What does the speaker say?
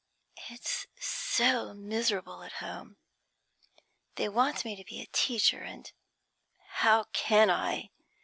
'It's so miserable at home. They want me to be a teacher, and how can I?